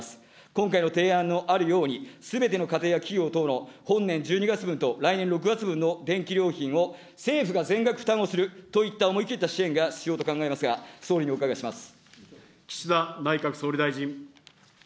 今回の提案にあるように、すべての家庭や企業等の本年１２月分と来年６月分の電気料金を政府が全額負担をするといった思い切った支援が必要と考えますが、岸田内閣総理大臣。